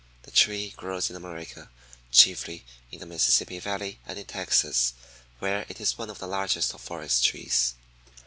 The tree grows in North America, chiefly in the Mississippi valley, and in Texas, where it is one of the largest of forest trees.